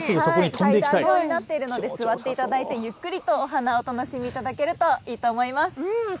階段状になっているので座っていただいてゆっくりとお花をお楽しみいただけるといいと思います。